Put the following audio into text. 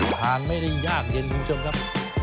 ทานไม่ได้ยากเย็นคุณผู้ชมครับ